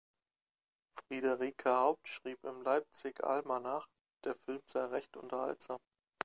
Friederike Haupt schrieb im "Leipzig-Almanach", der Film sei "recht unterhaltsam".